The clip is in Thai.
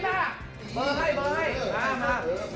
มีมูลราคา